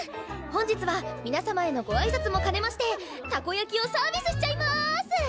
本日は皆様へのご挨拶も兼ねましてたこ焼きをサービスしちゃいます！